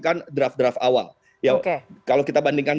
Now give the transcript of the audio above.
concern dari masyarakat sipil yang memangque ber translates from western man